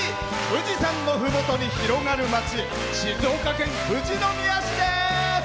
富士山のふもとに広がる町静岡県富士宮市です！